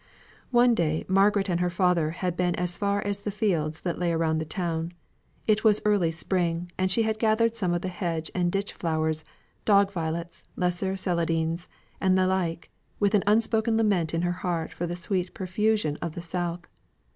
One day Margaret and her father had been as far as the fields that lay around the town; it was early spring, and she had gathered some of the hedge and ditch flowers, dog violets, lesser celandines, and the like, with an unspoken lament in her heart for the sweet profusion of the South.